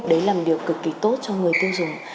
đấy là một điều cực kỳ tốt cho người tiêu dùng